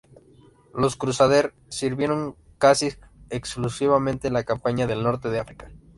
Los Crusader sirvieron casi exclusivamente en la campaña del Norte de África.